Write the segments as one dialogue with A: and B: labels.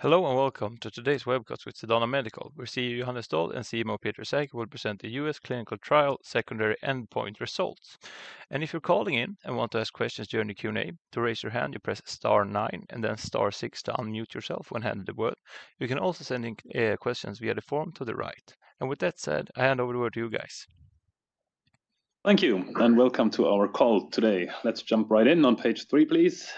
A: Hello and welcome to today's webcast with Sedana Medical, where CEO Johannes Doll and CMO Peter Sackey will present the U.S. clinical trial secondary endpoint results. If you're calling in and want to ask questions during the Q&A, to raise your hand, you press star nine and then star six to unmute yourself when handed the word. You can also send in questions via the form to the right. With that said, I hand over the word to you guys.
B: Thank you and welcome to our call today. Let's jump right in on page three, please.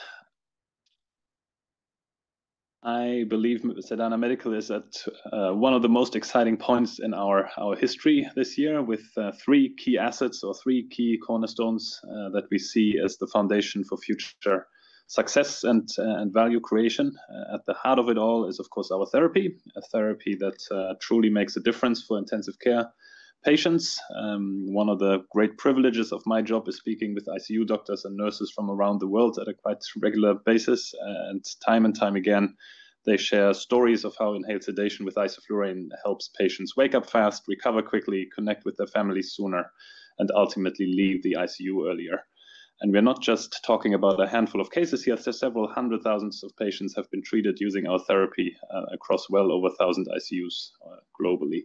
B: I believe Sedana Medical is at one of the most exciting points in our history this year with three key assets or three key cornerstones that we see as the foundation for future success and value creation. At the heart of it all is, of course, our therapy, a therapy that truly makes a difference for intensive care patients. One of the great privileges of my job is speaking with ICU doctors and nurses from around the world at a quite regular basis. Time and time again, they share stories of how inhaled sedation with isoflurane helps patients wake up fast, recover quickly, connect with their family sooner, and ultimately leave the ICU earlier. We are not just talking about a handful of cases here. Several hundred thousand patients have been treated using our therapy across well over a thousand ICUs globally.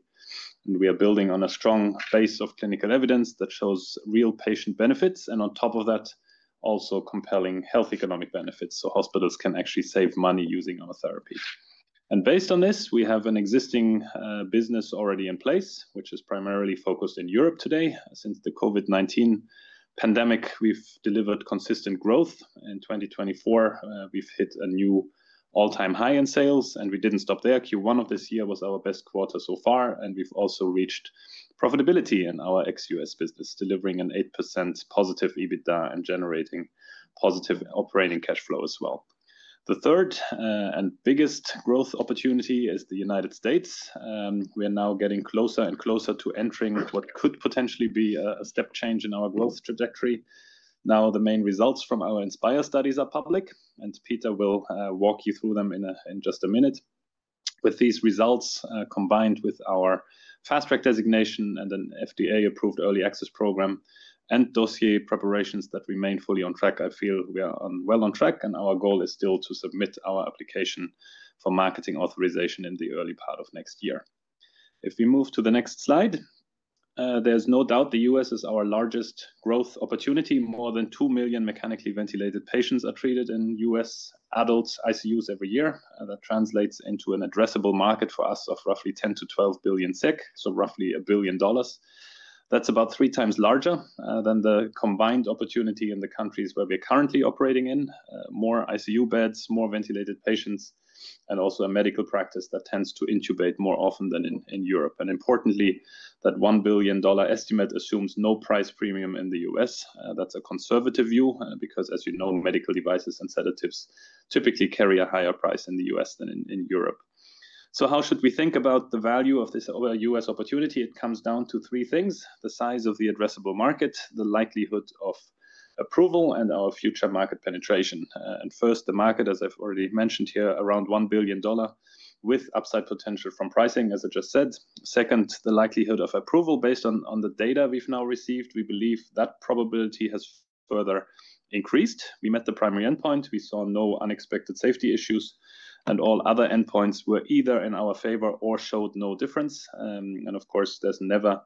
B: We are building on a strong base of clinical evidence that shows real patient benefits, and on top of that, also compelling health economic benefits. Hospitals can actually save money using our therapy. Based on this, we have an existing business already in place, which is primarily focused in Europe today. Since the COVID-19 pandemic, we've delivered consistent growth. In 2024, we've hit a new all-time high in sales, and we didn't stop there. Q1 of this year was our best quarter so far, and we've also reached profitability in our ex-U.S. business, delivering an +8% EBITDA and generating positive operating cash flow as well. The third and biggest growth opportunity is the United States. We are now getting closer and closer to entering what could potentially be a step change in our growth trajectory. Now, the main results from our Inspire studies are public, and Peter will walk you through them in just a minute. With these results combined with our fast track designation and an FDA-approved early access program and dossier preparations that remain fully on track, I feel we are well on track, and our goal is still to submit our application for marketing authorization in the early part of next year. If we move to the next slide, there's no doubt the U.S. is our largest growth opportunity. More than 2 million mechanically ventilated patients are treated in U.S. adult ICUs every year. That translates into an addressable market for U.S. of roughly 10 billion-12 billion SEK, so roughly $1 billion. That's about three times larger than the combined opportunity in the countries where we are currently operating in: more ICU beds, more ventilated patients, and also a medical practice that tends to intubate more often than in Europe. Importantly, that $1 billion estimate assumes no price premium in the U.S. That's a conservative view becaU.S.e, as you know, medical devices and sedatives typically carry a higher price in the U.S. than in Europe. How should we think about the value of this U.S. opportunity? It comes down to three things: the size of the addressable market, the likelihood of approval, and our future market penetration. First, the market, as I've already mentioned here, around $1 billion with upside potential from pricing, as I just said. Second, the likelihood of approval based on the data we've now received. We believe that probability has further increased. We met the primary endpoint. We saw no unexpected safety issues, and all other endpoints were either in our favor or showed no difference. Of course, there's never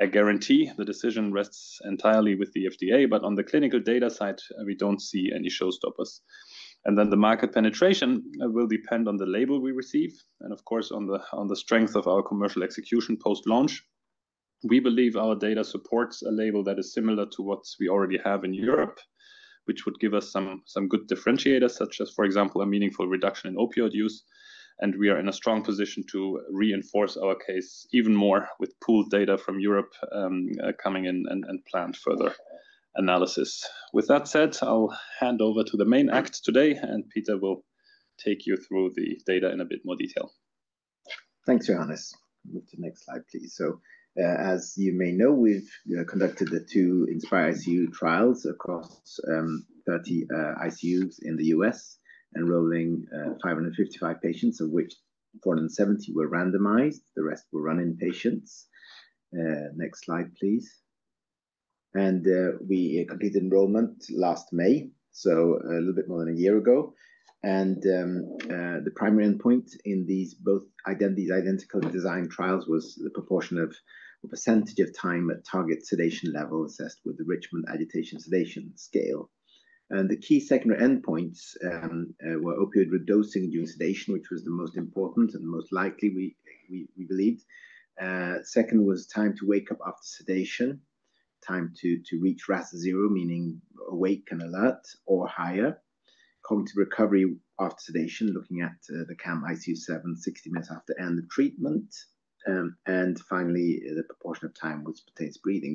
B: a guarantee. The decision rests entirely with the FDA, but on the clinical data side, we don't see any showstoppers. The market penetration will depend on the label we receive and, of course, on the strength of our commercial execution post-launch. We believe our data supports a label that is similar to what we already have in Europe, which would give us some good differentiators, such as, for example, a meaningful reduction in opioid use. We are in a strong position to reinforce our case even more with pooled data from Europe coming in and planned further analysis. With that said, I'll hand over to the main act today, and Peter will take you through the data in a bit more detail.
C: Thanks, Johannes. Move to the next slide, please. As you may know, we've conducted the two INSPiRE-ICU trials across 30 ICUs in the U.S., enrolling 555 patients, of which 470 were randomized. The rest were run-in patients. Next slide, please. We completed enrollment last May, so a little bit more than a year ago. The primary endpoint in these identical design trials was the proportion or percentage of time at target sedation level assessed with the Richmond Agitation-Sedation Scale. The key secondary endpoints were opioid reduction during sedation, which was the most important and most likely, we believed. Second was time to wake up after sedation, time to reach RASS 0, meaning awake and alert or higher. Cognitive recovery after sedation, looking at the CAM-ICU-7, 60 minutes after end of treatment. Finally, the proportion of time which pertains to breathing.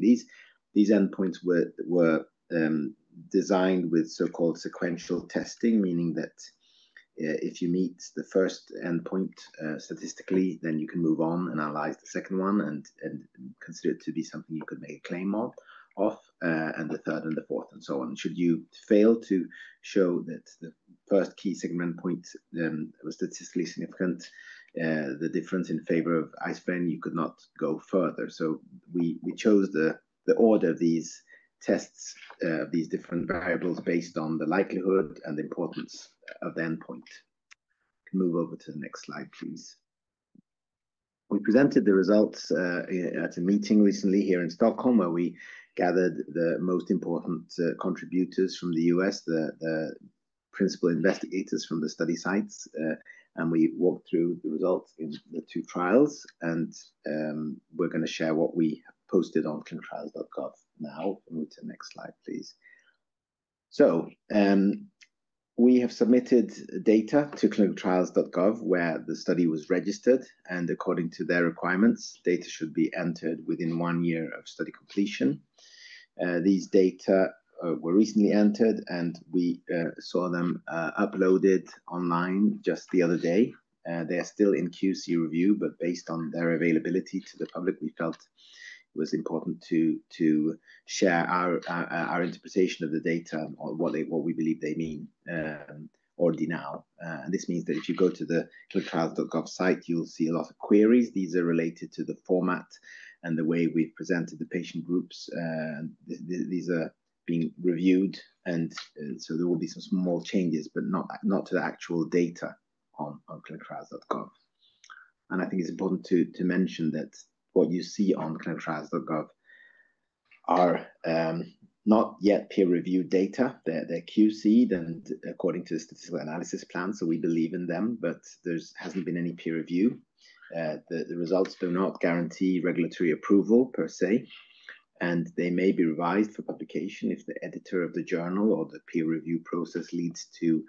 C: These endpoints were designed with so-called sequential testing, meaning that if you meet the first endpoint statistically, then you can move on and analyze the second one and consider it to be something you could make a claim of, and the third and the fourth and so on. Should you fail to show that the first key segment point was statistically significant, the difference in favor of aspirin, you could not go further. We chose the order of these tests, these different variables based on the likelihood and the importance of the endpoint. Move over to the next slide, please. We presented the results at a meeting recently here in Stockholm where we gathered the most important contributors from the U.S., the principal investigators from the study sites, and we walked through the results in the two trials. We are going to share what we posted on clinicaltrials.gov now. Move to the next slide, please. We have submitted data to clinicaltrials.gov where the study was registered, and according to their requirements, data should be entered within one year of study completion. These data were recently entered, and we saw them uploaded online just the other day. They are still in QC review, but based on their availability to the public, we felt it was important to share our interpretation of the data and what we believe they mean already now. This means that if you go to the clinicaltrials.gov site, you'll see a lot of queries. These are related to the format and the way we've presented the patient groups. These are being reviewed, and there will be some small changes, but not to the actual data on clinicaltrials.gov. I think it's important to mention that what you see on clinicaltrials.gov are not yet peer-reviewed data. They're QC'd and according to the statistical analysis plan, so we believe in them, but there hasn't been any peer review. The results do not guarantee regulatory approval per se, and they may be revised for publication if the editor of the journal or the peer review process leads to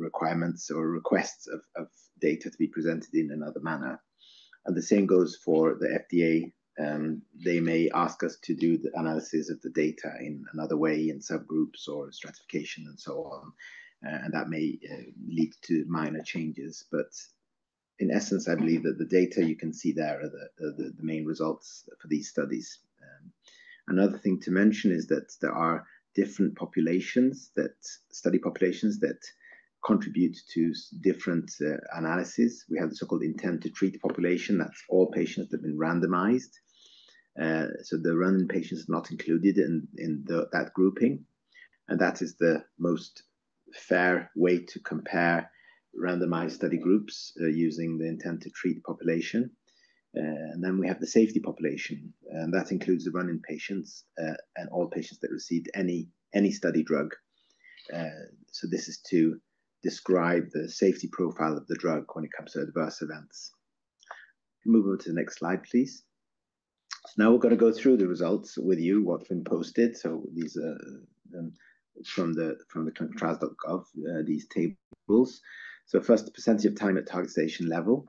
C: requirements or requests of data to be presented in another manner. The same goes for the FDA. They may ask us to do the analysis of the data in another way, in subgroups or stratification and so on, and that may lead to minor changes. In essence, I believe that the data you can see there are the main results for these studies. Another thing to mention is that there are different populations, study populations that contribute to different analyses. We have the so-called intent-to-treat population. That's all patients that have been randomized. The run-in patients are not included in that grouping. That is the most fair way to compare randomized study groups using the intent-to-treat population. We have the safety population, and that includes the run-in patients and all patients that received any study drug. This is to describe the safety profile of the drug when it comes to adverse events. Move over to the next slide, please. Now we're going to go through the results with you, what's been posted. These are from the clinicaltrials.gov, these tables. First, the percentage of time at target sedation level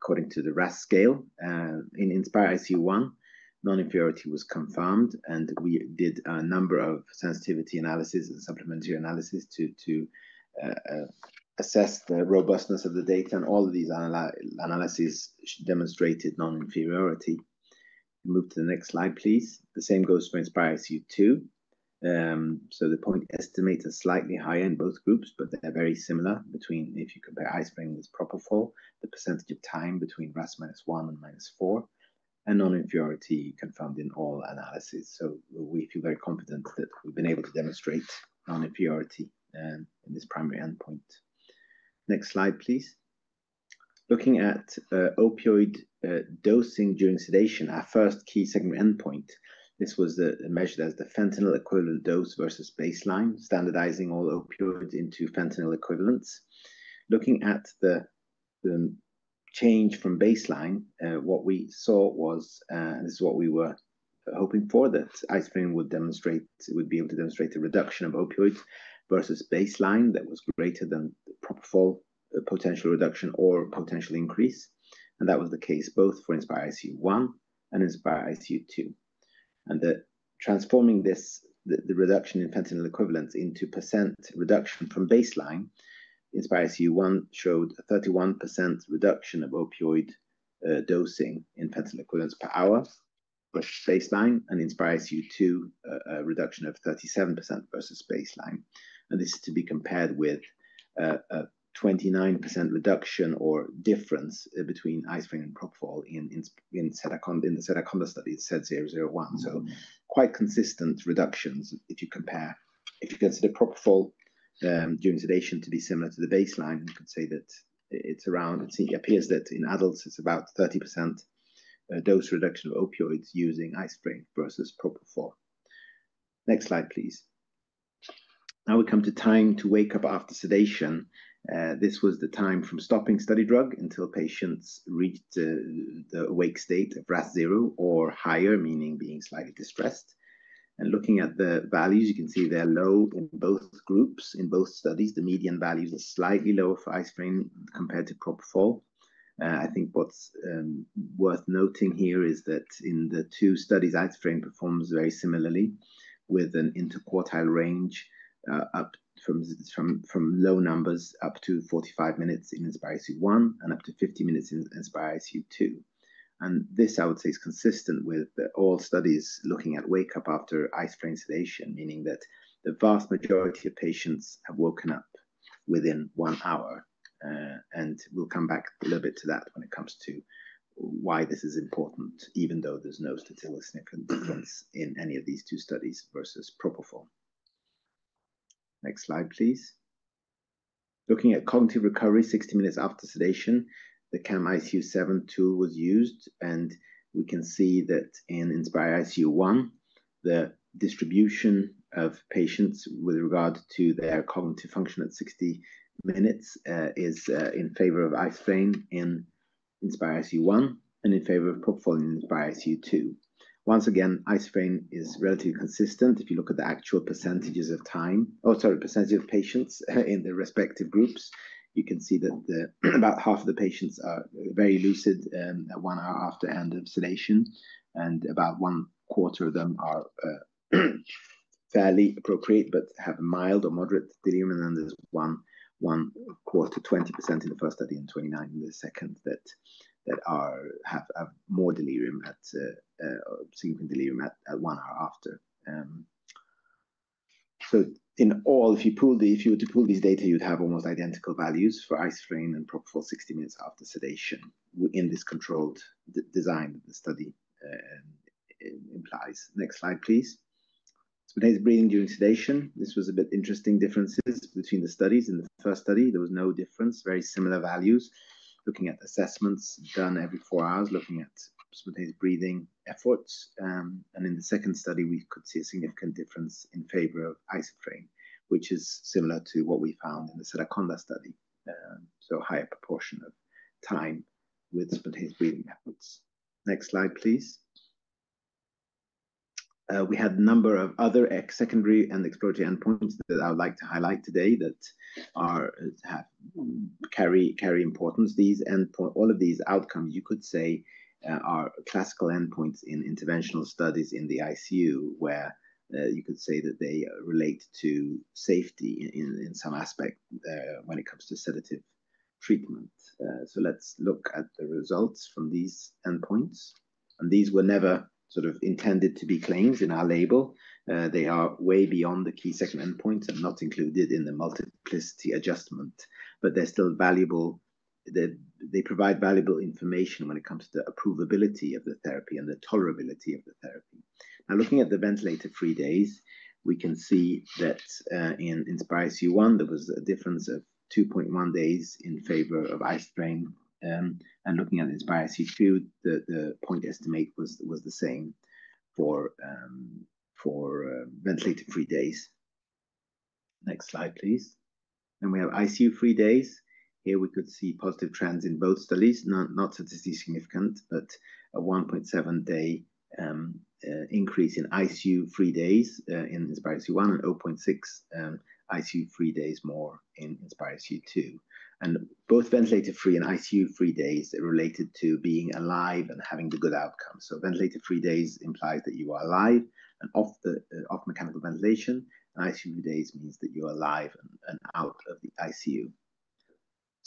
C: according to the RASS scale. In INSPiRE-ICU 1, non-inferiority was confirmed, and we did a number of sensitivity analyses and supplementary analyses to assess the robustness of the data. All of these analyses demonstrated non-inferiority. Move to the next slide, please. The same goes for INSPiRE-ICU 2. The point estimates are slightly higher in both groups, but they are very similar if you compare isoflurane with propofol, the percentage of time between RASS -1 and -4, and non-inferiority confirmed in all analyses. We feel very confident that we have been able to demonstrate non-inferiority in this primary endpoint. Next slide, please. Looking at opioid dosing during sedation, our first key secondary endpoint, this was measured as the fentanyl equivalent dose versus baseline, standardizing all opioids into fentanyl equivalents. Looking at the change from baseline, what we saw was, and this is what we were hoping for, that isoflurane would be able to demonstrate the reduction of opioids versus baseline that was greater than the propofol potential reduction or potential increase. That was the case both for INSPiRE-ICU 1 and INSPiRE-ICU 2. Transforming the reduction in fentanyl equivalents into percent reduction from baseline, INSPiRE-ICU 1 showed a 31% reduction of opioid dosing in fentanyl equivalents per hour versus baseline, and INSPiRE-ICU 2, a reduction of 37% versus baseline. This is to be compared with a 29% reduction or difference between isoflurane and propofol in the Sedaconda study, SED 001. Quite consistent reductions if you consider propofol during sedation to be similar to the baseline. You could say that it is around, it appears that in adults, it is about 30% dose reduction of opioids using isoflurane versus propofol. Next slide, please. Now we come to time to wake up after sedation. This was the time from stopping study drug until patients reached the awake state of RASS 0 or higher, meaning being slightly distressed. Looking at the values, you can see they're low in both groups, in both studies. The median values are slightly lower for isoflurane compared to propofol. I think what's worth noting here is that in the two studies, isoflurane performs very similarly with an interquartile range from low numbers up to 45 minutes in INSPiRE-ICU 1 and up to 50 minutes in INSPiRE-ICU 2. This, I would say, is consistent with all studies looking at wake-up after isoflurane sedation, meaning that the vast majority of patients have woken up within one hour. We'll come back a little bit to that when it comes to why this is important, even though there's no statistical significance in any of these two studies versus propofol. Next slide, please. Looking at cognitive recovery 60 minutes after sedation, the CAM-ICU-7 tool was used, and we can see that in INSPiRE-ICU 1, the distribution of patients with regard to their cognitive function at 60 minutes is in favor of isoflurane in INSPiRE-ICU 1 and in favor of propofol in INSPiRE-ICU 2. Once again, isoflurane is relatively consistent. If you look at the actual percentages of patients in the respective groups, you can see that about half of the patients are very lucid one hour after end of sedation, and about one quarter of them are fairly appropriate but have mild or moderate delirium. Then there is one quarter, 20% in the first study and 29% in the second, that have more delirium, significant delirium at one hour after. In all, if you were to pull these data, you'd have almost identical values for isoflurane and propofol 60 minutes after sedation in this controlled design that the study implies. Next slide, please. Spontaneous breathing during sedation. This was a bit interesting, differences between the studies. In the first study, there was no difference, very similar values. Looking at assessments done every four hours, looking at spontaneous breathing efforts. In the second study, we could see a significant difference in favor of isoflurane, which is similar to what we found in the Sedaconda study. So higher proportion of time with spontaneous breathing efforts. Next slide, please. We had a number of other secondary and exploratory endpoints that I would like to highlight today that carry importance. All of these outcomes, you could say, are classical endpoints in interventional studies in the ICU where you could say that they relate to safety in some aspect when it comes to sedative treatment. Let's look at the results from these endpoints. These were never sort of intended to be claims in our label. They are way beyond the key segment endpoints and not included in the multiplicity adjustment, but they're still valuable. They provide valuable information when it comes to the approvability of the therapy and the tolerability of the therapy. Now, looking at the ventilated three days, we can see that in INSPiRE-ICU 1, there was a difference of 2.1 days in favor of isoflurane. Looking at INSPiRE-ICU 2, the point estimate was the same for ventilated three days. Next slide, please. We have ICU three days. Here we could see positive trends in both studies, not statistically significant, but a 1.7-day increase in ICU-free days in INSPiRE-ICU 1 and 0.6 ICU-free days more in INSPiRE-ICU 2. Both ventilated-free and ICU-free days are related to being alive and having the good outcome. Ventilated-free days implies that you are alive and off mechanical ventilation. ICU-free days means that you are alive and out of the ICU.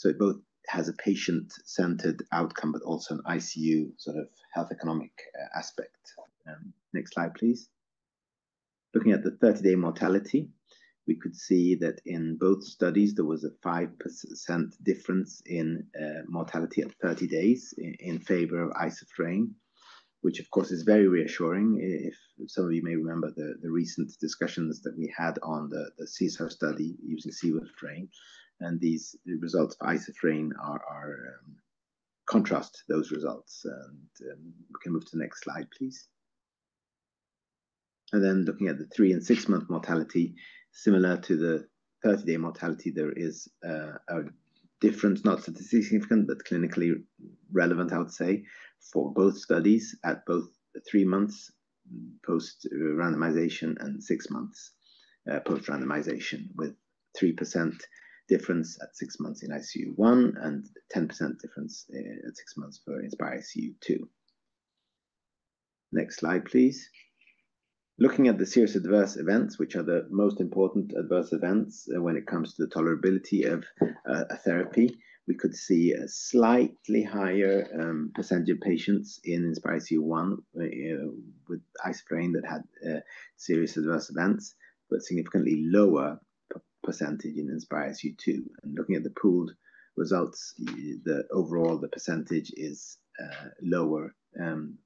C: It both has a patient-centered outcome, but also an ICU sort of health economic aspect. Next slide, please. Looking at the 30-day mortality, we could see that in both studies, there was a 5% difference in mortality at 30 days in favor of isoflurane, which, of course, is very reassuring. Some of you may remember the recent discussions that we had on the CESAR study using SED 001. These results for aspirin contrast those results. We can move to the next slide, please. Looking at the three- and six-month mortality, similar to the 30-day mortality, there is a difference, not statistically significant, but clinically relevant, I would say, for both studies at both three months post-randomization and six months post-randomization, with 3% difference at six months in INSPiRE-ICU 1 and 10% difference at six months for INSPiRE-ICU 2. Next slide, please. Looking at the serious adverse events, which are the most important adverse events when it comes to the tolerability of a therapy, we could see a slightly higher percentage of patients in INSPiRE-ICU 1 with aspirin that had serious adverse events, but significantly lower percentage in INSPiRE-ICU 2. Looking at the pooled results, overall, the percentage is lower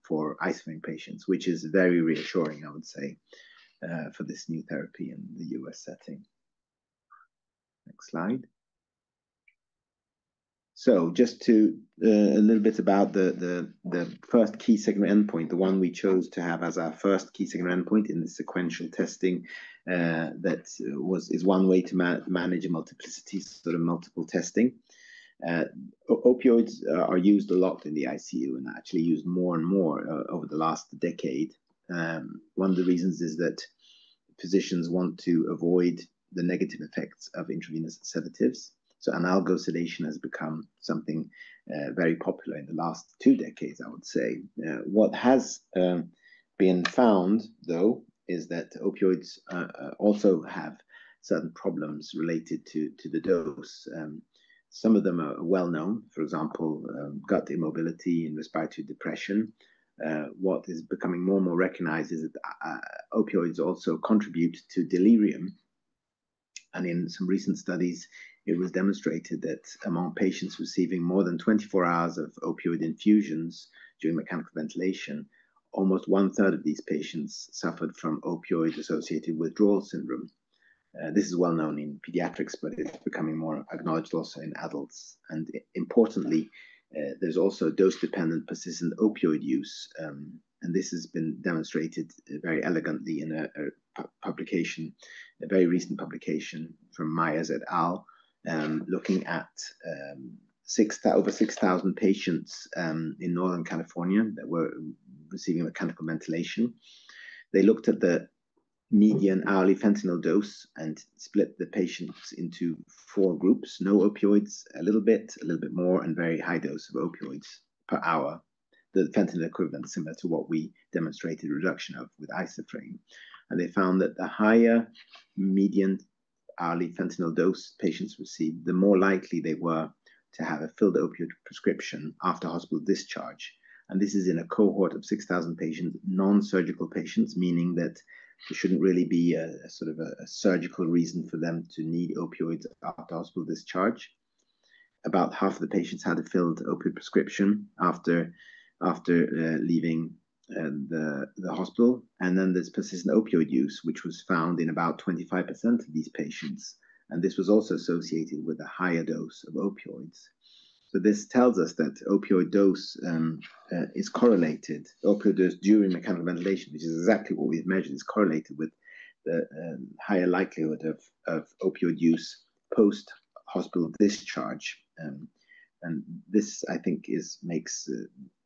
C: for aspirin patients, which is very reassuring, I would say, for this new therapy in the U.S. setting. Next slide. Just a little bit about the first key segment endpoint, the one we chose to have as our first key segment endpoint in the sequential testing that is one way to manage multiplicity, sort of multiple testing. Opioids are used a lot in the ICU and actually used more and more over the last decade. One of the reasons is that physicians want to avoid the negative effects of intravenous sedatives. Analgosedation has become something very popular in the last two decades, I would say. What has been found, though, is that opioids also have certain problems related to the dose. Some of them are well-known, for example, gut immobility and respiratory depression. What is becoming more and more recognized is that opioids also contribute to delirium. In some recent studies, it was demonstrated that among patients receiving more than 24 hours of opioid infusions during mechanical ventilation, almost one-third of these patients suffered from opioid-associated withdrawal syndrome. This is well-known in pediatrics, but it is becoming more acknowledged also in adults. Importantly, there is also dose-dependent persistent opioid use. This has been demonstrated very elegantly in a very recent publication from Myers et al. looking at over 6,000 patients in Northern California that were receiving mechanical ventilation. They looked at the median hourly fentanyl dose and split the patients into four groups: no opioids, a little bit, a little bit more, and very high dose of opioids per hour, the fentanyl equivalent similar to what we demonstrated reduction of with aspirin. They found that the higher median hourly fentanyl dose patients received, the more likely they were to have a filled opioid prescription after hospital discharge. This is in a cohort of 6,000 patients, non-surgical patients, meaning that there should not really be a sort of a surgical reason for them to need opioids after hospital discharge. About half of the patients had a filled opioid prescription after leaving the hospital. There is persistent opioid use, which was found in about 25% of these patients. This was also associated with a higher dose of opioids. This tells us that opioid dose is correlated. Opioid dose during mechanical ventilation, which is exactly what we have measured, is correlated with the higher likelihood of opioid use post-hospital discharge. I think this makes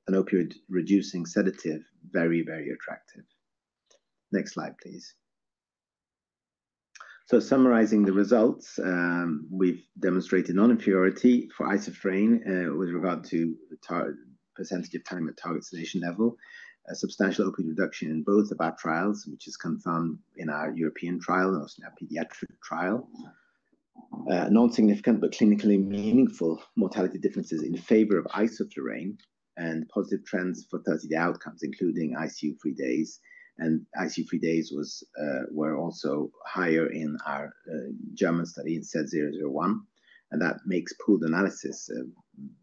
C: an opioid-reducing sedative very, very attractive. Next slide, please. Summarizing the results, we've demonstrated non-inferiority for isoflurane with regard to percentage of time at target sedation level, a substantial opioid reduction in both of our trials, which is confirmed in our European trial and also in our pediatric trial. Non-significant, but clinically meaningful mortality differences in favor of isoflurane and positive trends for 30-day outcomes, including ICU-free days. ICU-free days were also higher in our German study in SED 001. That makes pooled analysis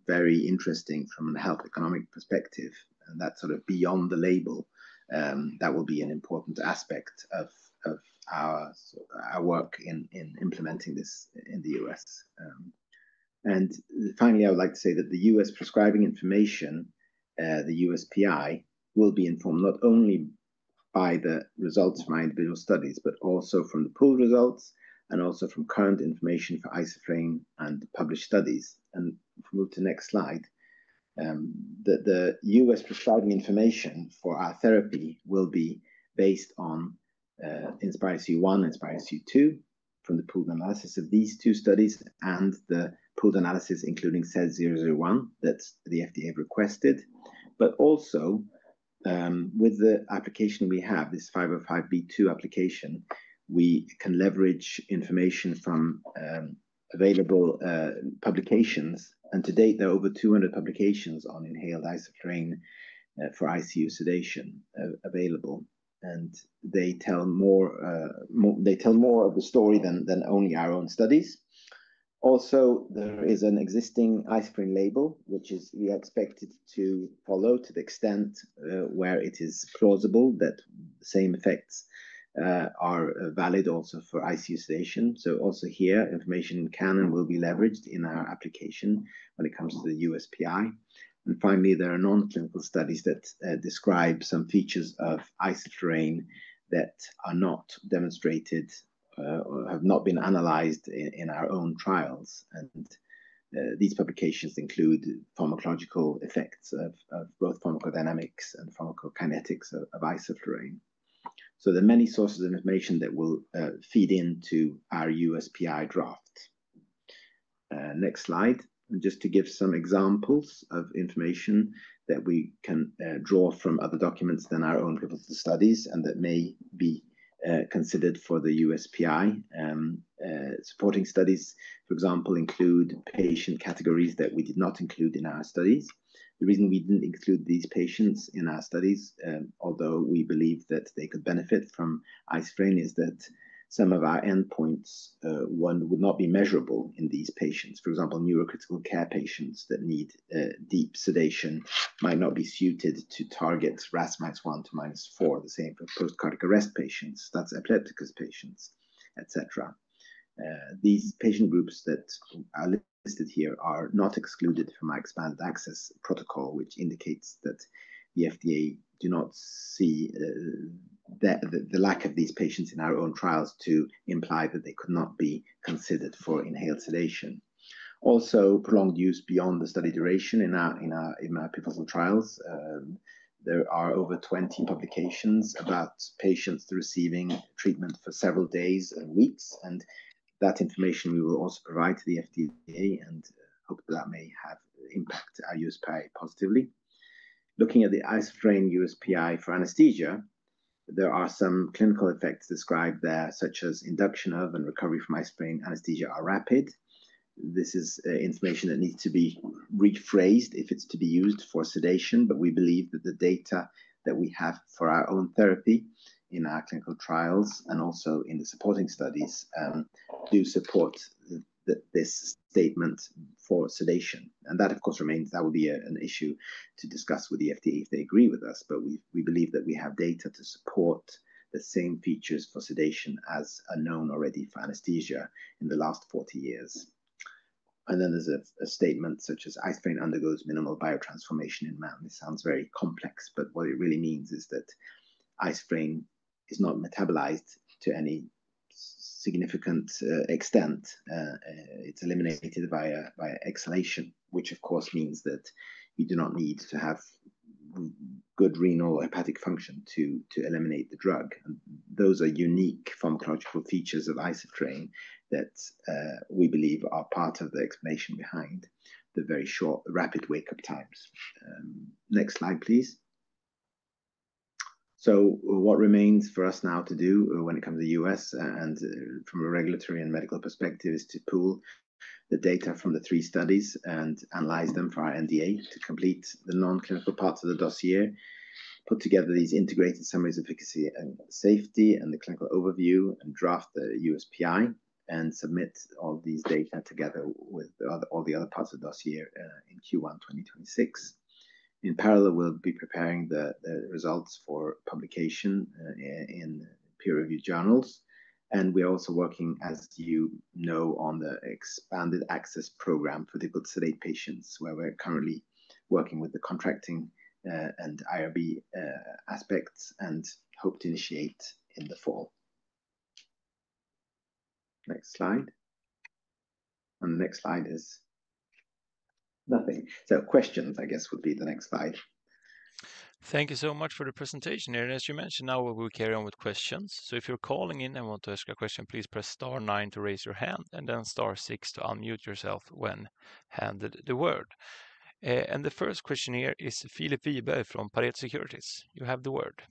C: very interesting from a health economic perspective. That sort of beyond the label will be an important aspect of our work in implementing this in the U.S. Finally, I would like to say that the U.S. Prescribing Information, the USPI, will be informed not only by the results from our individual studies, but also from the pooled results and also from current information for isoflurane and published studies. If we move to the next slide, the U.S. Prescribing Information for our therapy will be based on INSPiRE-ICU 1 and INSPiRE-ICU 2 from the pooled analysis of these two studies and the pooled analysis, including SED 001 that the FDA requested. Also, with the application we have, this 505(b)(2) application, we can leverage information from available publications. To date, there are over 200 publications on inhaled isoflurane for ICU sedation available. They tell more of the story than only our own studies. Also, there is an existing aspirin label, which we are expected to follow to the extent where it is plausible that the same effects are valid also for ICU sedation. Also here, information in Canon will be leveraged in our application when it comes to the USPI. Finally, there are non-clinical studies that describe some features of aspirin that are not demonstrated or have not been analyzed in our own trials. These publications include pharmacological effects of both pharmacodynamics and pharmacokinetics of aspirin. There are many sources of information that will feed into our USPI draft. Next slide. Just to give some examples of information that we can draw from other documents than our own clinical studies and that may be considered for the USPI, supporting studies, for example, include patient categories that we did not include in our studies. The reason we didn't include these patients in our studies, although we believe that they could benefit from aspirin, is that some of our endpoints, one, would not be measurable in these patients. For example, neurocritical care patients that need deep sedation might not be suited to target RASS -1 to -4, the same for post-cardiac arrest patients, status epilepticus patients, etc. These patient groups that are listed here are not excluded from our expanded access protocol, which indicates that the FDA do not see the lack of these patients in our own trials to imply that they could not be considered for inhaled sedation. Also, prolonged use beyond the study duration in our proposed trials. There are over 20 publications about patients receiving treatment for several days and weeks. And that information, we will also provide to the FDA and hope that that may impact our USPI positively. Looking at the isoflurane USPI for anesthesia, there are some clinical effects described there, such as induction of and recovery from isoflurane anesthesia are rapid. This is information that needs to be rephrased if it's to be used for sedation, but we believe that the data that we have for our own therapy in our clinical trials and also in the supporting studies do support this statement for sedation. That, of course, remains; that will be an issue to discuss with the FDA if they agree with us, but we believe that we have data to support the same features for sedation as are known already for anesthesia in the last 40 years. There is a statement such as isoflurane undergoes minimal biotransformation in man. This sounds very complex, but what it really means is that isoflurane is not metabolized to any significant extent. It's eliminated via exhalation, which, of course, means that you do not need to have good renal or hepatic function to eliminate the drug. Those are unique pharmacological features of isoflurane that we believe are part of the explanation behind the very short, rapid wake-up times. Next slide, please. What remains for us now to do when it comes to the U.S. and from a regulatory and medical perspective is to pool the data from the three studies and analyze them for our NDA, to complete the non-clinical parts of the dossier, put together these integrated summaries of efficacy and safety and the clinical overview, and draft the USPI and submit all these data together with all the other parts of the dossier in Q1 2026. In parallel, we'll be preparing the results for publication in peer-reviewed journals. We're also working, as you know, on the Expanded Access Program for difficult-to-sedate patients, where we're currently working with the contracting and IRB aspects and hope to initiate in the fall. Next slide. The next slide is nothing. Questions, I guess, would be the next slide.
A: Thank you so much for the presentation here. As you mentioned, now we will carry on with questions. If you're calling in and want to ask a question, please press star nine to raise your hand and then star six to unmute yourself when handed the word. The first question here is Philip Thureborn from Pareto Securities. You have the word.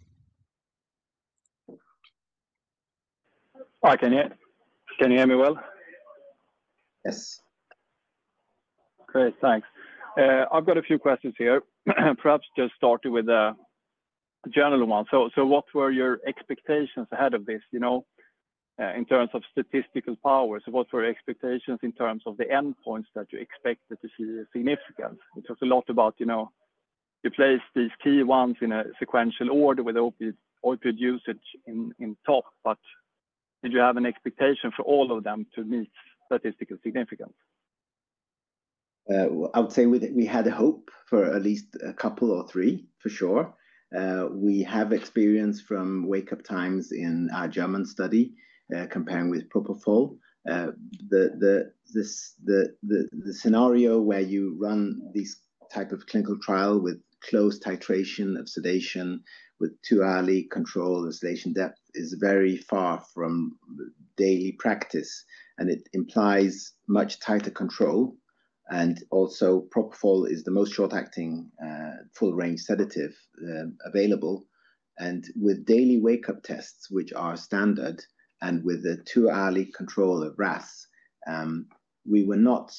D: Hi, can you hear me well?
C: Yes.
D: Great, thanks. I've got a few questions here, perhaps just starting with a general one. What were your expectations ahead of this in terms of statistical powers? What were your expectations in terms of the endpoints that you expected to see significance? It was a lot about you placed these key ones in a sequential order with opioid usage in top, but did you have an expectation for all of them to meet statistical significance?
C: I would say we had hope for at least a couple or three, for sure. We have experience from wake-up times in our German study compared with propofol. The scenario where you run this type of clinical trial with closed titration of sedation with too early control of sedation depth is very far from daily practice. It implies much tighter control. Also, propofol is the most short-acting full-range sedative available. With daily wake-up tests, which are standard, and with the too early control of RASS, we were not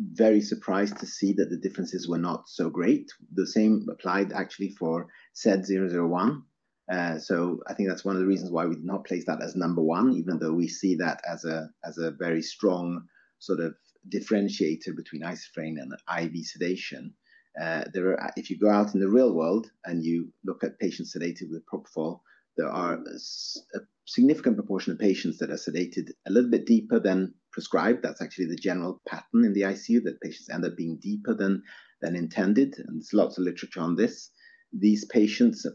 C: very surprised to see that the differences were not so great. The same applied actually for SED 001. I think that's one of the reasons why we did not place that as number one, even though we see that as a very strong sort of differentiator between aspirin and IV sedation. If you go out in the real world and you look at patients sedated with propofol, there are a significant proportion of patients that are sedated a little bit deeper than prescribed. That's actually the general pattern in the ICU that patients end up being deeper than intended. There's lots of literature on this. The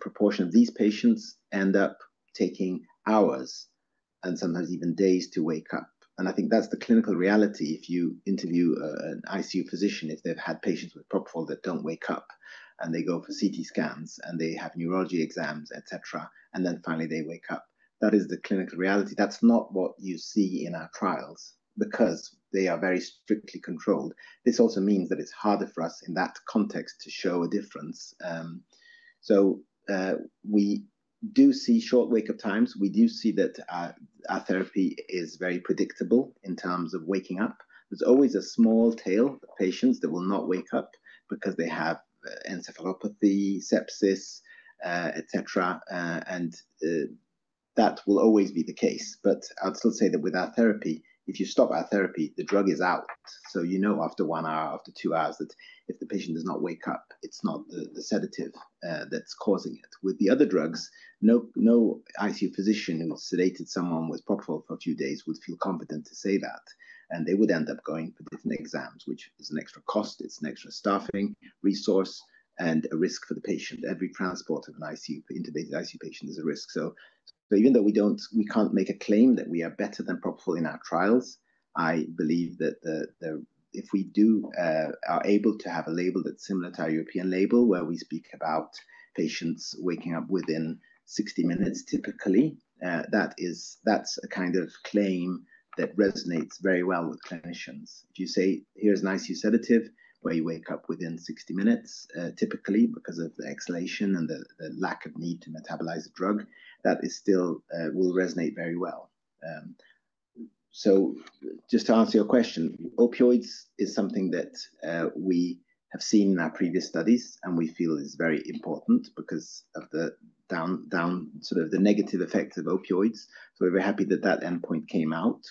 C: proportion of these patients end up taking hours and sometimes even days to wake up. I think that's the clinical reality if you interview an ICU physician, if they've had patients with propofol that don't wake up and they go for CT scans and they have neurology exams, etc., and then finally they wake up. That is the clinical reality. That's not what you see in our trials because they are very strictly controlled. This also means that it's harder for us in that context to show a difference. We do see short wake-up times. We do see that our therapy is very predictable in terms of waking up. There's always a small tail of patients that will not wake up because they have encephalopathy, sepsis, etc. That will always be the case. I'd still say that with our therapy, if you stop our therapy, the drug is out. You know after one hour, after two hours that if the patient does not wake up, it's not the sedative that's causing it. With the other drugs, no ICU physician who sedated someone with propofol for a few days would feel competent to say that. They would end up going for different exams, which is an extra cost. It's an extra staffing resource and a risk for the patient. Every transport of an intubated ICU patient is a risk. Even though we can't make a claim that we are better than propofol in our trials, I believe that if we are able to have a label that's similar to our European label where we speak about patients waking up within 60 minutes typically, that's a kind of claim that resonates very well with clinicians. If you say, "Here's an ICU sedative where you wake up within 60 minutes," typically because of the exhalation and the lack of need to metabolize the drug, that will resonate very well. Just to answer your question, opioids is something that we have seen in our previous studies, and we feel is very important because of sort of the negative effects of opioids. We are very happy that that endpoint came out.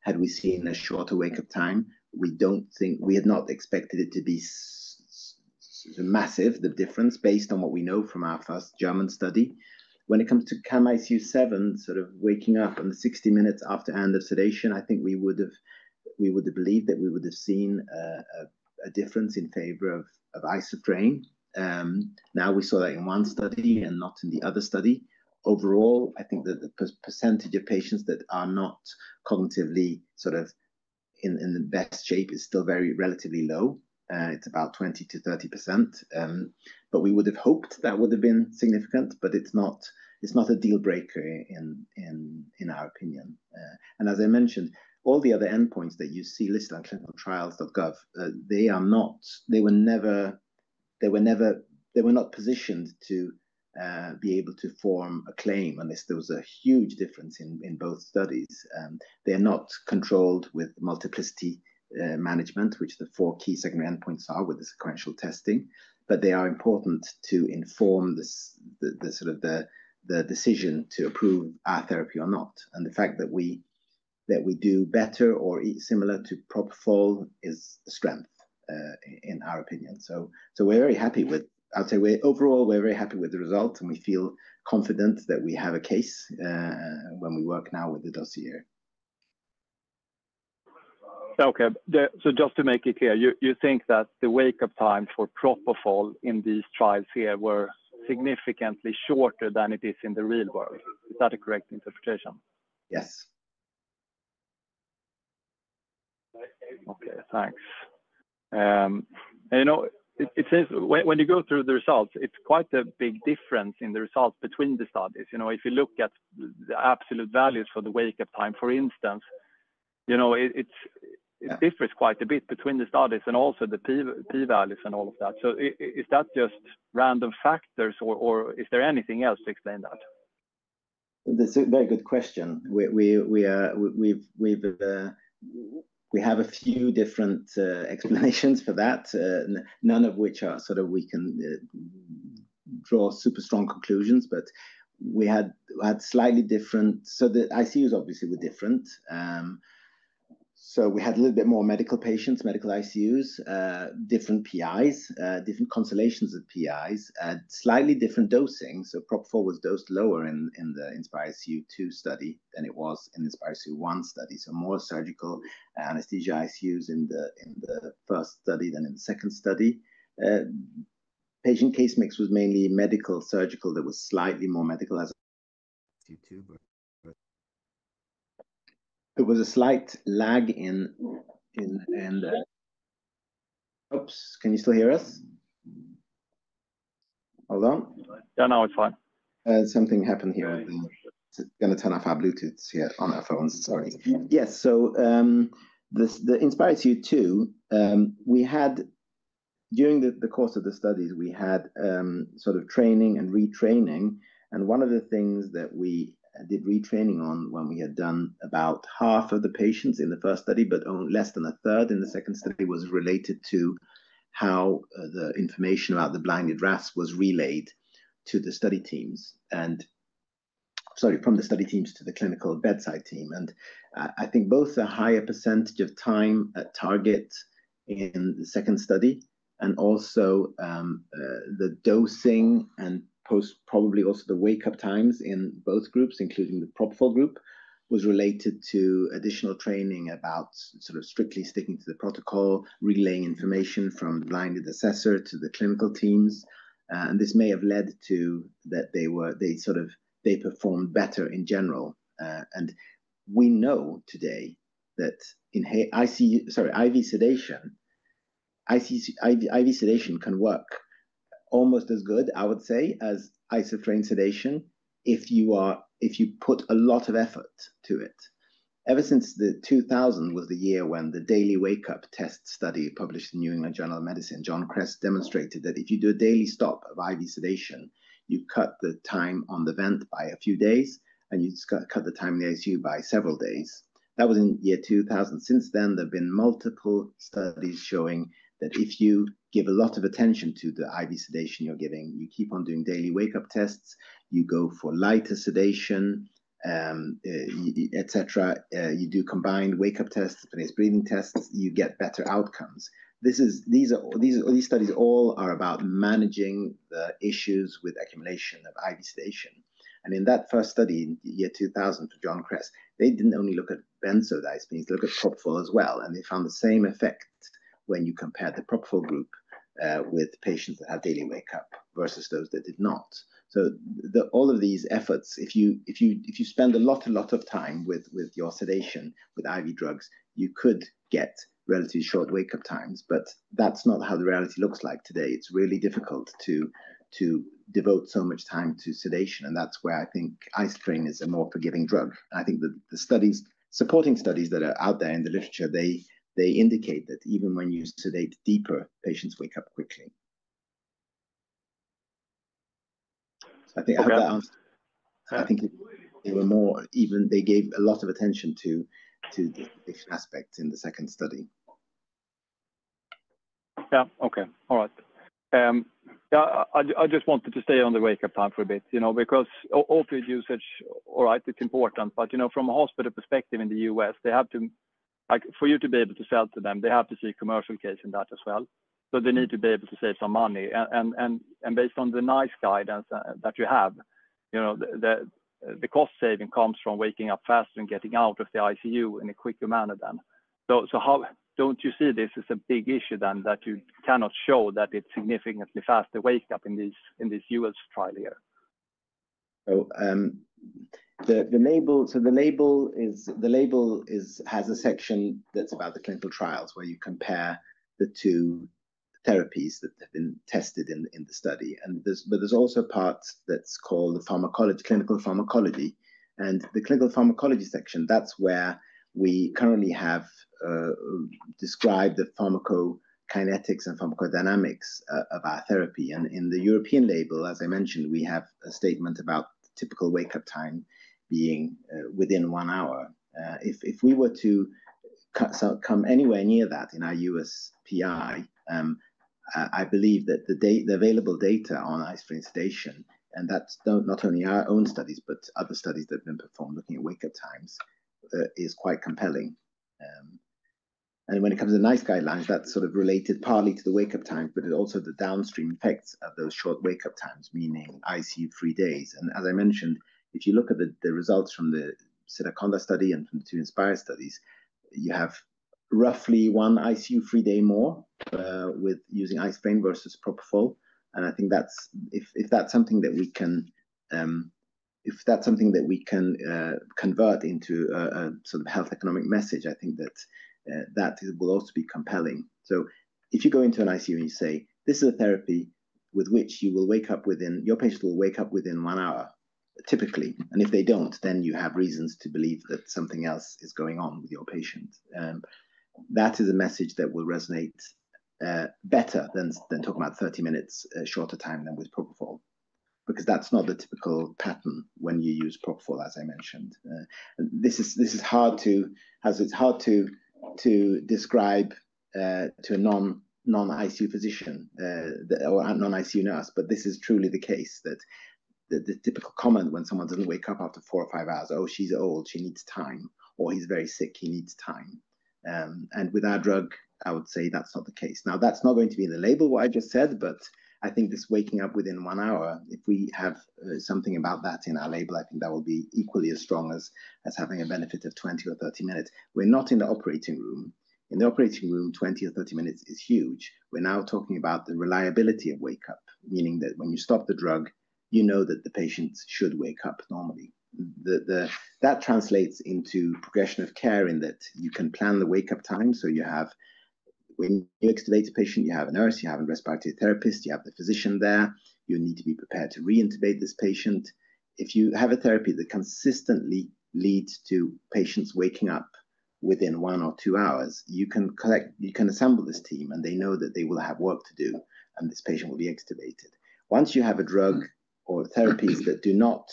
C: Had we seen a shorter wake-up time, we had not expected it to be massive, the difference based on what we know from our first German study. When it comes to CAM-ICU-7, sort of waking up and 60 minutes after end of sedation, I think we would have believed that we would have seen a difference in favor of isoflurane. Now we saw that in one study and not in the other study. Overall, I think that the percentage of patients that are not cognitively sort of in the best shape is still very relatively low. It's about 20%-30%. We would have hoped that would have been significant, but it's not a deal breaker in our opinion. As I mentioned, all the other endpoints that you see listed on clinicaltrials.gov, they were not positioned to be able to form a claim unless there was a huge difference in both studies. They are not controlled with multiplicity management, which the four key secondary endpoints are with the sequential testing. They are important to inform sort of the decision to approve our therapy or not. The fact that we do better or similar to propofol is strength in our opinion. We're very happy with, I'd say overall, we're very happy with the results, and we feel confident that we have a case when we work now with the dossier.
D: Okay. Just to make it clear, you think that the wake-up time for propofol in these trials here was significantly shorter than it is in the real world. Is that a correct interpretation?
C: Yes.
D: Okay. Thanks. It seems when you go through the results, it's quite a big difference in the results between the studies. If you look at the absolute values for the wake-up time, for instance, it differs quite a bit between the studies and also the p-values and all of that. Is that just random factors, or is there anything else to explain that?
C: That's a very good question. We have a few different explanations for that, none of which are sort of we can draw super strong conclusions, but we had slightly different, so the ICUs obviously were different. We had a little bit more medical patients, medical ICUs, different PIs, different constellations of PIs, slightly different dosing. Propofol was dosed lower in the INSPiRE-ICU 2 study than it was in the INSPiRE-ICU 1 study. More surgical anesthesia ICUs in the first study than in the second study. Patient case mix was mainly medical, surgical. There was slightly more medical. It was a slight lag in, oops, can you still hear us? Hold on.
D: Yeah, now it's fine.
C: Something happened here. Going to turn off our Bluetooths here on our phones. Sorry. Yes. The INSPiRE-ICU 2, during the course of the studies, we had sort of training and retraining. One of the things that we did retraining on when we had done about half of the patients in the first study, but less than a third in the second study, was related to how the information about the blinded RASS was relayed to the study teams, and sorry, from the study teams to the clinical bedside team. I think both the higher percentage of time at target in the second study and also the dosing and probably also the wake-up times in both groups, including the propofol group, was related to additional training about sort of strictly sticking to the protocol, relaying information from the blinded assessor to the clinical teams. This may have led to that they sort of performed better in general. We know today that, sorry, IV sedation can work almost as good, I would say, as isoflurane sedation if you put a lot of effort to it. Ever since 2000 was the year when the daily wake-up test study published in the New England Journal of Medicine, John Kress demonstrated that if you do a daily stop of IV sedation, you cut the time on the vent by a few days, and you cut the time in the ICU by several days. That was in 2000. Since then, there have been multiple studies showing that if you give a lot of attention to the IV sedation you're giving, you keep on doing daily wake-up tests, you go for lighter sedation, etc., you do combined wake-up tests, breathing tests, you get better outcomes. These studies all are about managing the issues with accumulation of IV sedation. In that first study in year 2000 for John Kress, they did not only look at benzodiazepines, they looked at propofol as well. They found the same effect when you compared the propofol group with patients that had daily wake-up versus those that did not. All of these efforts, if you spend a lot of time with your sedation with IV drugs, you could get relatively short wake-up times. That is not how the reality looks like today. It is really difficult to devote so much time to sedation. That is where I think isoflurane is a more forgiving drug. I think the supporting studies that are out there in the literature indicate that even when you sedate deeper, patients wake up quickly. I think I have that answer. I think they gave a lot of attention to the sedation aspect in the second study.
D: Yeah. Okay. All right. I just wanted to stay on the wake-up time for a bit because opioid usage, all right, it's important. From a hospital perspective in the U.S., for you to be able to sell to them, they have to see a commercial case in that as well. They need to be able to save some money. Based on the NICE guidance that you have, the cost saving comes from waking up faster and getting out of the ICU in a quicker manner then. Do not you see this as a big issue then that you cannot show that it is significantly faster wake-up in this U.S. trial here?
C: The label has a section that is about the clinical trials where you compare the two therapies that have been tested in the study. There is also a part that is called the clinical pharmacology. The clinical pharmacology section, that's where we currently have described the pharmacokinetics and pharmacodynamics of our therapy. In the European label, as I mentioned, we have a statement about typical wake-up time being within one hour. If we were to come anywhere near that in our USPI, I believe that the available data on isoflurane sedation, and that's not only our own studies, but other studies that have been performed looking at wake-up times, is quite compelling. When it comes to NICE guidelines, that's sort of related partly to the wake-up time, but also the downstream effects of those short wake-up times, meaning ICU free days. As I mentioned, if you look at the results from the Sedaconda study and from the two INSPiRE studies, you have roughly one ICU free day more with using isoflurane versus propofol. I think if that's something that we can convert into a sort of health economic message, I think that that will also be compelling. If you go into an ICU and you say, "This is a therapy with which your patient will wake up within one hour, typically." If they do not, then you have reasons to believe that something else is going on with your patient. That is a message that will resonate better than talking about 30 minutes shorter time than with propofol because that's not the typical pattern when you use propofol, as I mentioned. This is hard to describe to a non-ICU physician or non-ICU nurse, but this is truly the case that the typical comment when someone does not wake up after four or five hours is, "Oh, she's old. She needs time." Or, "He's very sick. He needs time. With our drug, I would say that's not the case. Now, that's not going to be in the label what I just said, but I think this waking up within one hour, if we have something about that in our label, I think that will be equally as strong as having a benefit of 20 or 30 minutes. We're not in the operating room. In the operating room, 20 or 30 minutes is huge. We're now talking about the reliability of wake-up, meaning that when you stop the drug, you know that the patient should wake up normally. That translates into progression of care in that you can plan the wake-up time. When you extubate a patient, you have a nurse, you have a respiratory therapist, you have the physician there. You need to be prepared to reintubate this patient. If you have a therapy that consistently leads to patients waking up within one or two hours, you can assemble this team, and they know that they will have work to do, and this patient will be extubated. Once you have a drug or therapies that do not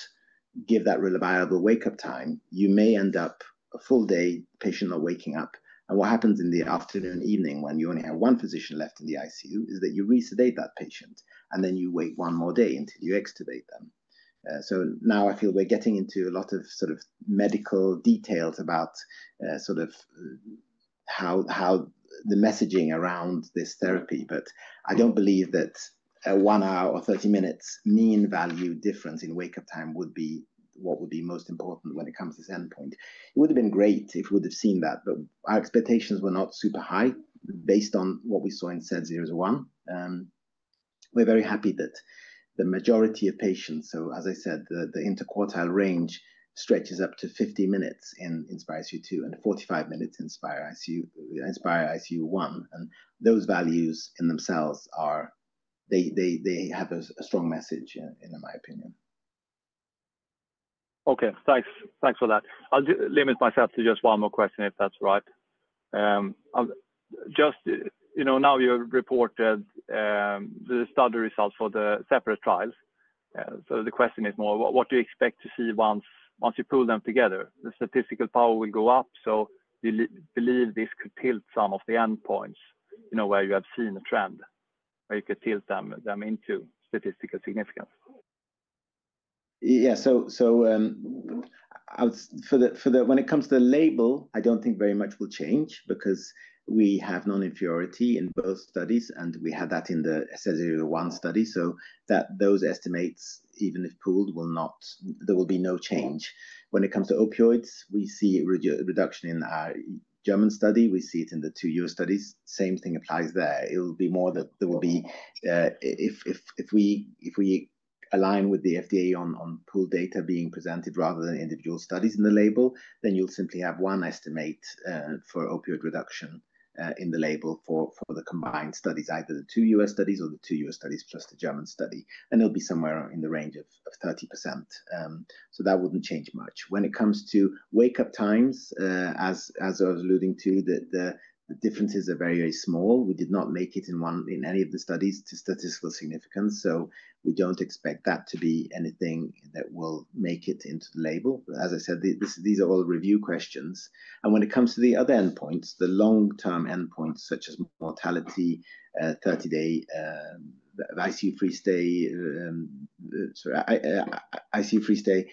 C: give that reliable wake-up time, you may end up a full day patient not waking up. What happens in the afternoon and evening when you only have one physician left in the ICU is that you resedate that patient, and then you wait one more day until you extubate them. Now I feel we're getting into a lot of sort of medical details about sort of the messaging around this therapy. I don't believe that a one hour or 30 minutes mean value difference in wake-up time would be what would be most important when it comes to this endpoint. It would have been great if we would have seen that, but our expectations were not super high based on what we saw in SED 001. We're very happy that the majority of patients, so as I said, the interquartile range stretches up to 50 minutes in INSPiRE-ICU 2 and 45 minutes in INSPiRE-ICU 1. Those values in themselves, they have a strong message in my opinion.
D: Okay. Thanks for that. I'll limit myself to just one more question if that's all right. Just now you reported the study results for the separate trials. The question is more, what do you expect to see once you pull them together? The statistical power will go up, so you believe this could tilt some of the endpoints where you have seen a trend where you could tilt them into statistical significance.
C: Yeah. When it comes to the label, I do not think very much will change because we have non-inferiority in both studies, and we had that in the SED 001 study. Those estimates, even if pooled, there will be no change. When it comes to opioids, we see a reduction in our German study. We see it in the two U.S. studies. Same thing applies there. It will be more that there will be if we align with the FDA on pooled data being presented rather than individual studies in the label, then you'll simply have one estimate for opioid reduction in the label for the combined studies, either the two U.S. studies or the two U.S. studies plus the German study. It'll be somewhere in the range of 30%. That wouldn't change much. When it comes to wake-up times, as I was alluding to, the differences are very, very small. We did not make it in any of the studies to statistical significance. We don't expect that to be anything that will make it into the label. As I said, these are all review questions. When it comes to the other endpoints, the long-term endpoints such as mortality, 30-day ICU free stay, ICU free stay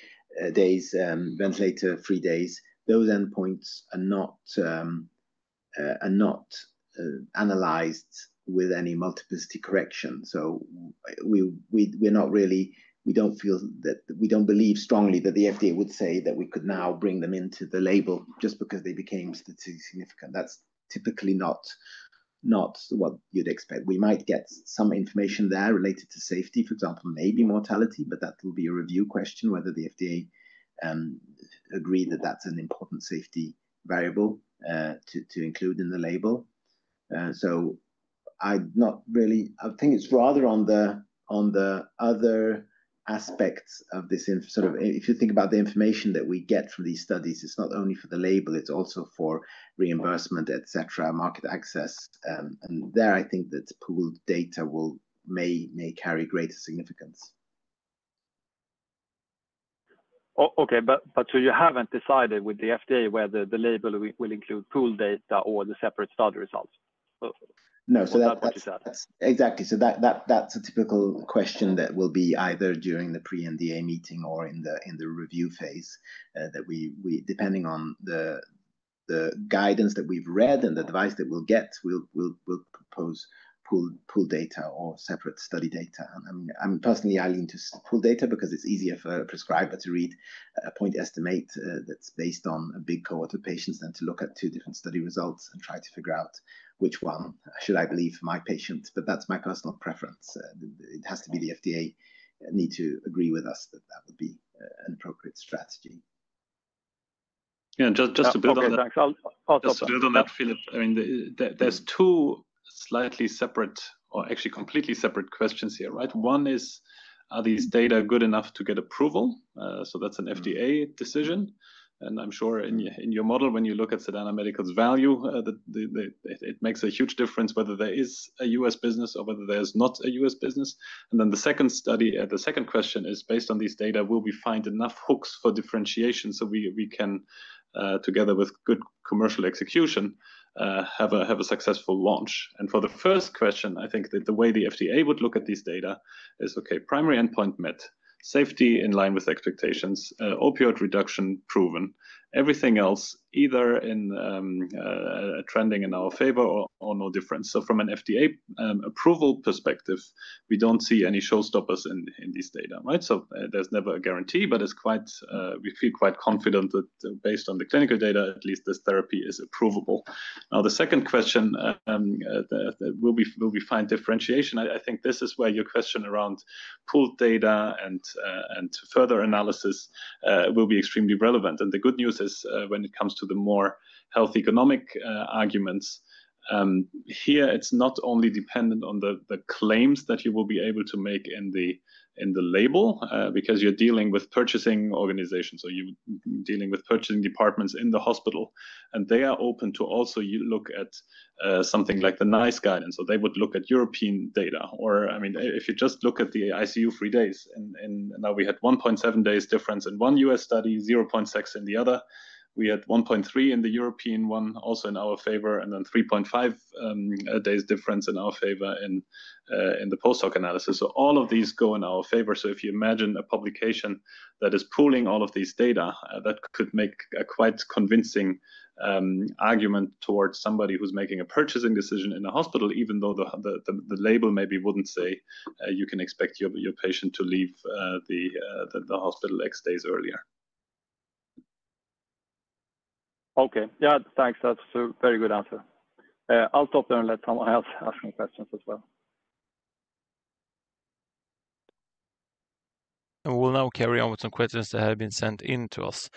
C: days, ventilator free days, those endpoints are not analyzed with any multiplicity correction. We do not feel that we do not believe strongly that the FDA would say that we could now bring them into the label just because they became statistically significant. That is typically not what you would expect. We might get some information there related to safety, for example, maybe mortality, but that will be a review question whether the FDA agreed that that is an important safety variable to include in the label. I think it is rather on the other aspects of this sort of if you think about the information that we get from these studies, it is not only for the label. It is also for reimbursement, etc., market access. There, I think that pooled data may carry greater significance.
D: Okay. You have not decided with the FDA whether the label will include pooled data or the separate study results?
C: No. That is exactly. That is a typical question that will be either during the pre-NDA meeting or in the review phase that we, depending on the guidance that we have read and the advice that we will get, will propose pooled data or separate study data. I mean, personally, I lean to pooled data because it is easier for a prescriber to read a point estimate that is based on a big cohort of patients than to look at two different study results and try to figure out which one should I believe my patient. That is my personal preference. It has to be the FDA need to agree with us that that would be an appropriate strategy.
B: Yeah. Just a bit on that, Philip. I mean, there are two slightly separate or actually completely separate questions here, right? One is, are these data good enough to get approval? That is an FDA decision. I am sure in your model, when you look at Sedana Medical's value, it makes a huge difference whether there is a U.S. business or whether there is not a U.S. business. The second question is, based on these data, will we find enough hooks for differentiation so we can, together with good commercial execution, have a successful launch? For the first question, I think that the way the FDA would look at these data is, okay, primary endpoint met, safety in line with expectations, opioid reduction proven, everything else either trending in our favor or no difference. From an FDA approval perspective, we do not see any showstoppers in these data, right? There is never a guarantee, but we feel quite confident that based on the clinical data, at least this therapy is approvable. The second question, will we find differentiation? I think this is where your question around pooled data and further analysis will be extremely relevant. The good news is when it comes to the more health economic arguments, here, it is not only dependent on the claims that you will be able to make in the label because you are dealing with purchasing organizations. You are dealing with purchasing departments in the hospital, and they are open to also look at something like the NICE guidance. They would look at European data. I mean, if you just look at the ICU free days, now we had 1.7 days difference in one U.S. study, 0.6 in the other. We had 1.3 in the European one, also in our favor, and then 3.5 days difference in our favor in the post-hoc analysis. All of these go in our favor. If you imagine a publication that is pooling all of these data, that could make a quite convincing argument towards somebody who's making a purchasing decision in a hospital, even though the label maybe would not say you can expect your patient to leave the hospital X days earlier.
D: Okay. Yeah. Thanks. That's a very good answer. I'll stop there and let someone else ask some questions as well.
A: We'll now carry on with some questions that have been sent in to us.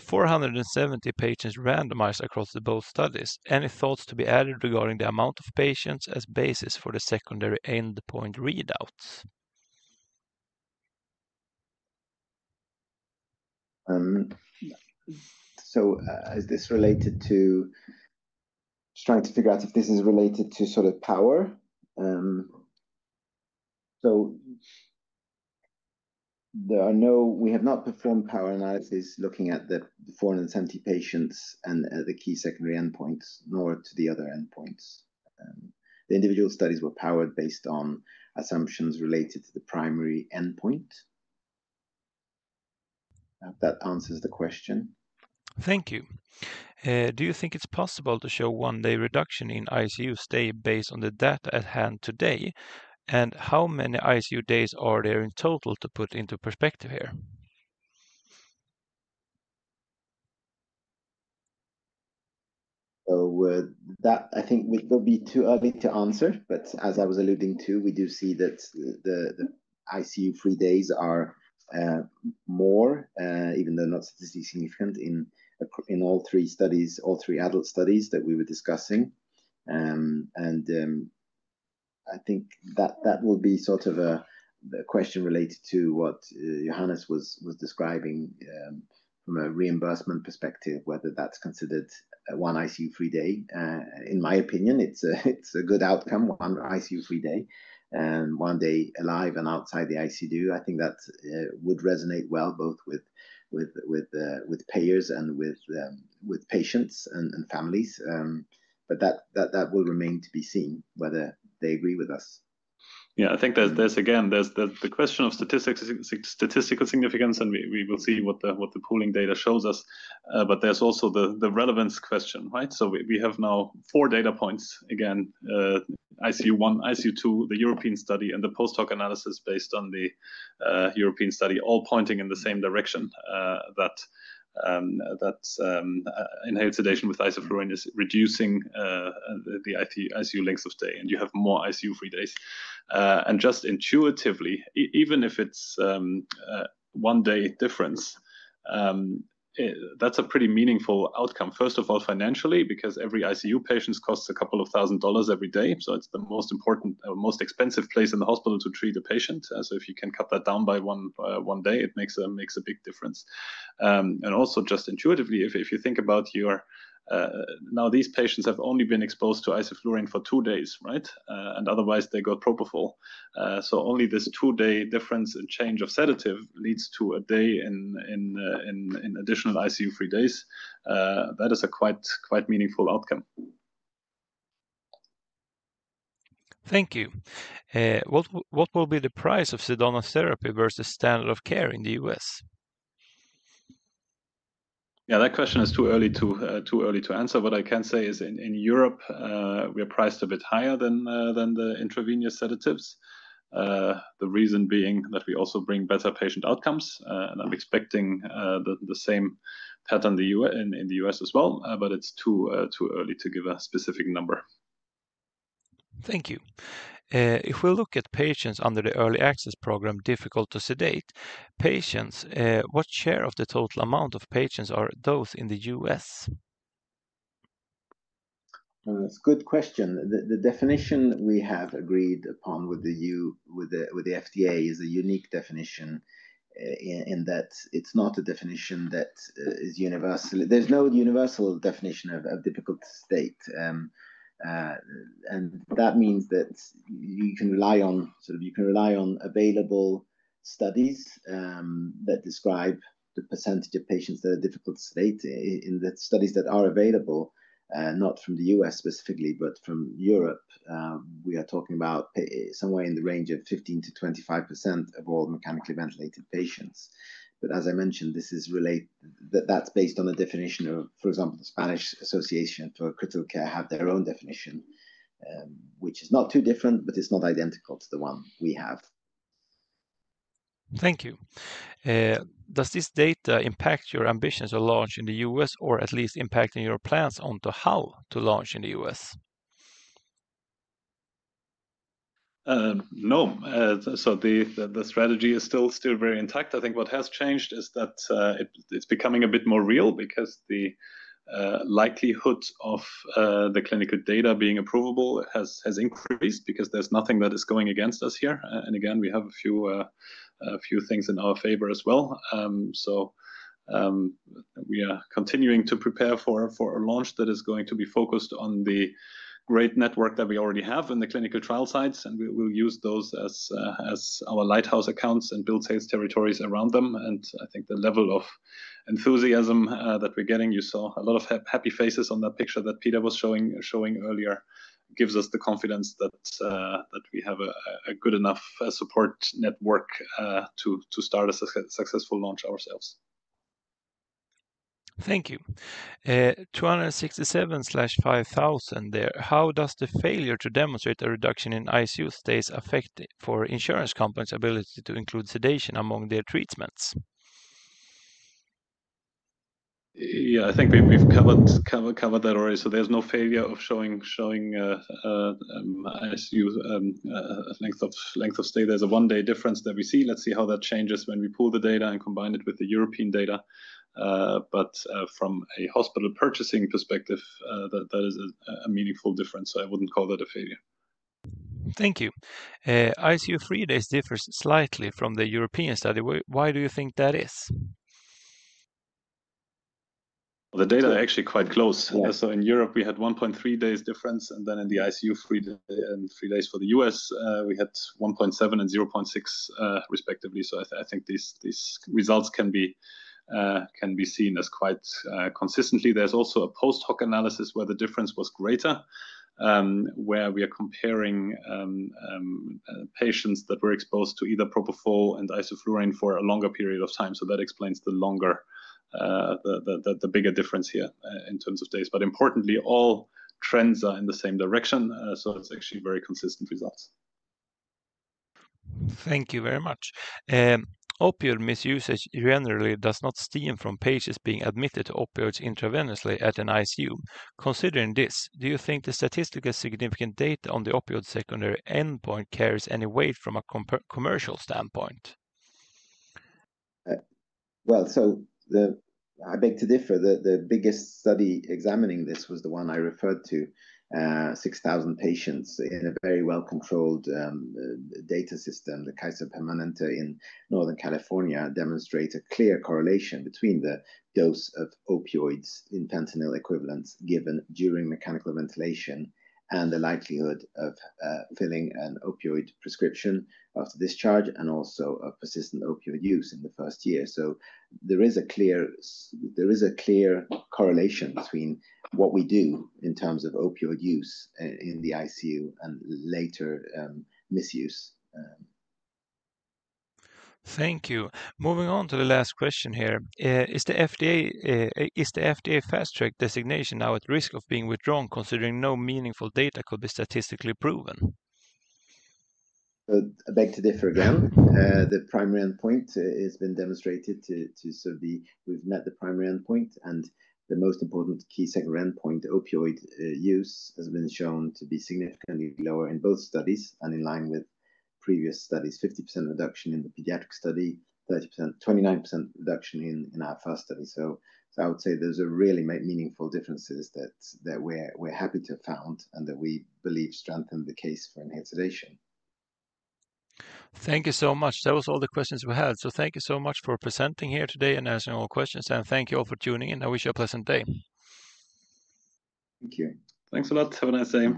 A: 470 patients randomized across both studies. Any thoughts to be added regarding the amount of patients as basis for the secondary endpoint readouts?
C: Is this related to trying to figure out if this is related to sort of power? We have not performed power analysis looking at the 470 patients and the key secondary endpoints nor to the other endpoints. The individual studies were powered based on assumptions related to the primary endpoint. That answers the question.
A: Thank you. Do you think it is possible to show one-day reduction in ICU stay based on the data at hand today? How many ICU days are there in total to put into perspective here?
C: I think it will be too early to answer, but as I was alluding to, we do see that the ICU free days are more, even though not statistically significant, in all three studies, all three adult studies that we were discussing. I think that will be sort of a question related to what Johannes was describing from a reimbursement perspective, whether that is considered one ICU free day. In my opinion, it is a good outcome, one ICU free day, one day alive and outside the ICU. I think that would resonate well both with payers and with patients and families. That will remain to be seen whether they agree with us.
B: Yeah. I think there is, again, the question of statistical significance, and we will see what the pooling data shows us. There is also the relevance question, right? We have now four data points, again, ICU 1, ICU 2, the European study, and the post-hoc analysis based on the European study, all pointing in the same direction that inhaled sedation with isoflurane is reducing the ICU length of stay, and you have more ICU free days. Just intuitively, even if it's one-day difference, that's a pretty meaningful outcome, first of all, financially, because every ICU patient costs a couple of thousand dollars every day. It's the most important or most expensive place in the hospital to treat a patient. If you can cut that down by one day, it makes a big difference. Also just intuitively, if you think about your now these patients have only been exposed to isoflurane for two days, right? Otherwise, they got propofol. Only this two-day difference in change of sedative leads to a day in additional ICU free days. That is a quite meaningful outcome.
A: Thank you. What will be the price of Sedana's therapy versus standard of care in the U.S.?
B: Yeah. That question is too early to answer. What I can say is in Europe, we are priced a bit higher than the intravenous sedatives, the reason being that we also bring better patient outcomes. I'm expecting the same pattern in the U.S. as well, but it's too early to give a specific number.
A: Thank you. If we look at patients under the early access program, difficult to sedate patients, what share of the total amount of patients are those in the U.S.?
C: That's a good question. The definition we have agreed upon with the FDA is a unique definition in that it's not a definition that is universal. There's no universal definition of difficult to sedate. That means that you can rely on available studies that describe the percentage of patients that are difficult to sedate in the studies that are available, not from the U.S. specifically, but from Europe. We are talking about somewhere in the range of 15%-25% of all mechanically ventilated patients. As I mentioned, this is related, that's based on a definition of, for example, the Spanish Association for Critical Care have their own definition, which is not too different, but it's not identical to the one we have.
A: Thank you. Does this data impact your ambitions to launch in the U.S. or at least impacting your plans onto how to launch in the U.S.?
B: No. The strategy is still very intact. I think what has changed is that it is becoming a bit more real because the likelihood of the clinical data being approvable has increased because there is nothing that is going against us here. Again, we have a few things in our favor as well. We are continuing to prepare for a launch that is going to be focused on the great network that we already have in the clinical trial sites. We will use those as our lighthouse accounts and build sales territories around them. I think the level of enthusiasm that we're getting, you saw a lot of happy faces on that picture that Peter was showing earlier, gives us the confidence that we have a good enough support network to start a successful launch ourselves.
A: Thank you. 267/5000 there. How does the failure to demonstrate a reduction in ICU stays affect for insurance companies' ability to include sedation among their treatments?
B: Yeah. I think we've covered that already. There is no failure of showing length of stay. There is a one-day difference that we see. Let's see how that changes when we pull the data and combine it with the European data. From a hospital purchasing perspective, that is a meaningful difference. I would not call that a failure.
A: Thank you. ICU free days differ slightly from the European study. Why do you think that is?
B: The data are actually quite close. In Europe, we had 1.3 days difference. In the ICU free days for the U.S., we had 1.7 and 0.6 respectively. I think these results can be seen as quite consistent. There is also a post hoc analysis where the difference was greater, where we are comparing patients that were exposed to either propofol and isoflurane for a longer period of time. That explains the bigger difference here in terms of days. Importantly, all trends are in the same direction. It is actually very consistent results.
A: Thank you very much. Opioid misuse generally does not stem from patients being admitted to opioids intravenously at an ICU. Considering this, do you think the statistically significant data on the opioid secondary endpoint carries any weight from a commercial standpoint?
C: I beg to differ. The biggest study examining this was the one I referred to, 6,000 patients in a very well-controlled data system, the Kaiser Permanente in Northern California, demonstrates a clear correlation between the dose of opioids in fentanyl equivalents given during mechanical ventilation and the likelihood of filling an opioid prescription after discharge and also of persistent opioid use in the first year. There is a clear correlation between what we do in terms of opioid use in the ICU and later misuse.
A: Thank you. Moving on to the last question here. Is the FDA Fast Track designation now at risk of being withdrawn considering no meaningful data could be statistically proven?
C: I beg to differ again. The primary endpoint has been demonstrated to sort of be within the primary endpoint. The most important key secondary endpoint, opioid use, has been shown to be significantly lower in both studies and in line with previous studies, 50% reduction in the pediatric study, 29% reduction in our first study. I would say there's a really meaningful difference that we're happy to have found and that we believe strengthen the case for inhaled sedation.
A: Thank you so much. That was all the questions we had. Thank you so much for presenting here today and answering all questions. Thank you all for tuning in. I wish you a pleasant day.
C: Thank you.
A: Thanks a lot. Have a nice day.